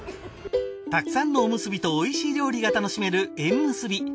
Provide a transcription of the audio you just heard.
たくさんのおむすびとおいしい料理が楽しめるえんむすび。